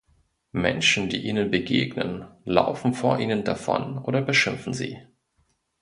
Menschen, die ihnen begegnen, laufen vor ihnen davon oder beschimpfen sie.